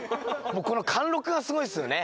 この貫禄がすごいっすよね。